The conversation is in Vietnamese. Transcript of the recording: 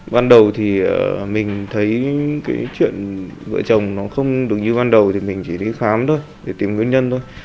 ban đầu thì mình thấy cái chuyện vợ chồng nó không được như ban đầu thì mình chỉ đi khám thôi để tìm nguyên nhân thôi